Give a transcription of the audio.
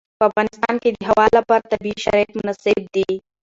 په افغانستان کې د هوا لپاره طبیعي شرایط مناسب دي.